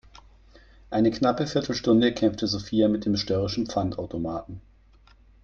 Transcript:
Eine knappe Viertelstunde kämpfte Sophia mit dem störrischen Pfandautomaten.